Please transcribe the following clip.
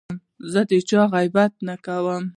زه د چا غیبت نه کوم.